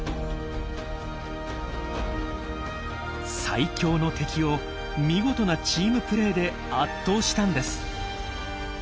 最強の敵を見事なチームプレーで圧倒したんです。